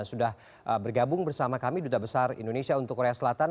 sudah bergabung bersama kami duta besar indonesia untuk korea selatan